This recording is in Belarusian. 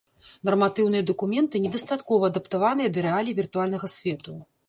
Нарматыўныя дакументы недастаткова адаптаваныя да рэалій віртуальнага свету.